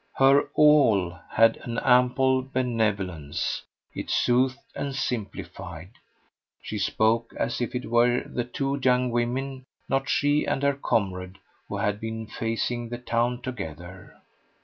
Her "all" had an ample benevolence; it soothed and simplified; she spoke as if it were the two young women, not she and her comrade, who had been facing the town together.